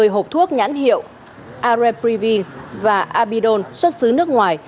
ba mươi hộp thuốc nhãn hiệu areprevine và abidol xuất xứ nước ngoài